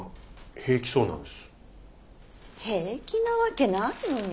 平気なわけないのに。